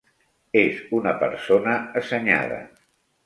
És una persona assenyada.